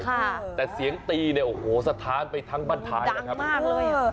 ค่ะแต่เสียงตีเนี่ยโอ้โหสะท้านไปทั้งบ้านท้ายแล้วครับมากเลยเหรอ